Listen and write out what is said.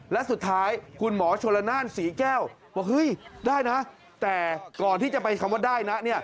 แล้วสุดท้ายขุนหมอโชรนานสี่แก้วว่าเห้ยได้นะแต่ก่อนที่จะไปคำว่าได้